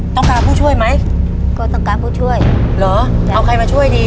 ต้องการผู้ช่วยไหม